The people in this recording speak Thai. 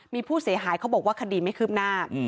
มีผู้เสียหายเขาบอกว่าคดีไม่คืบหน้า